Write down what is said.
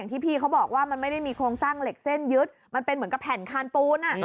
ที่พี่เขาบอกว่ามันไม่ได้มีโครงสร้างเหล็กเส้นยึดมันเป็นเหมือนกับแผ่นคานปูน